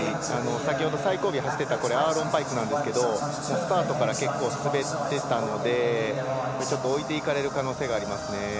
先ほど、最後尾を走っていたアーロン・パイクなんですがスタートから結構滑ってたのでちょっと置いていかれる可能性がありますね。